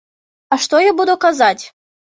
А што я буду казаць?